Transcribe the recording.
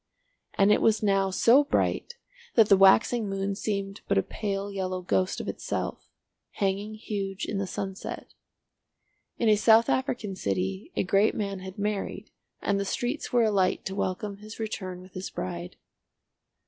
And it was now so bright that the waxing moon seemed but a pale yellow ghost of itself, hanging huge in the sunset. In a South African City a great man had married, and the streets were alight to welcome his return with his bride.